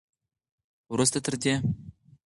وروسته تر دې